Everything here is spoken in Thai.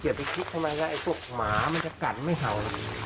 เดี๋ยวไปคิดทำไมกันไอ้ตัวหมามันจะกันไม่เข้า